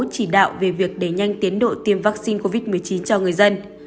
chỉ đạo về việc đẩy nhanh tiến độ tiêm vaccine covid một mươi chín cho người dân